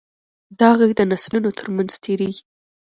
دا غږ د نسلونو تر منځ تېرېږي.